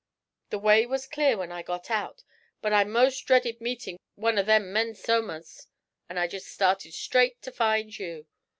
'The way was clear when I got out; but I most dreaded meeting one of them men som'ers, and I jest started straight to find you.'